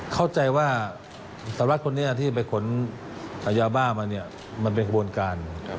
เข้าใจว่าสหรัฐคนนี้ที่ไปขนยาบ้ามาเนี่ยมันเป็นกระบวนการ